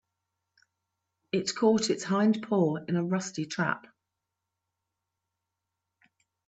It caught its hind paw in a rusty trap.